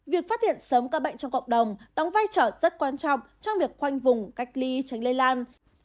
việc phát hiện sớm các bệnh trong cộng đồng đóng vai trò rất quan trọng trong việc khoanh vùng cách ly tránh lây lan